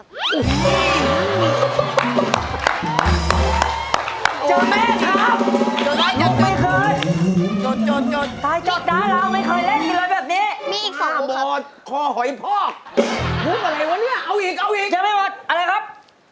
ของพี่หญิงเหรอพี่หญิงฤทธิกาลแล้วไม่ค่อยมีใครเนอะมันยากมากเลยนะเพลงนี้นะครับเลือกแต่เพลงยากเลยปาน